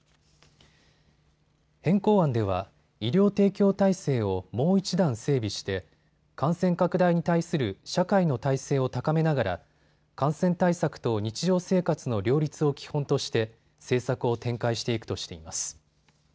変更案では医療提供体制をもう一段整備して感染拡大に対する社会の耐性を高めながら感染対策と日常生活の両立を基本として政策を展開していくとしています。